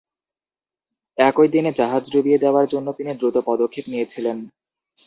একই দিনে জাহাজ ডুবিয়ে দেওয়ার জন্য তিনি দ্রুত পদক্ষেপ নিয়েছিলেন।